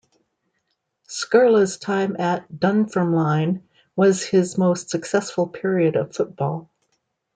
Skerla's time at Dunfermline was his most successful period of football.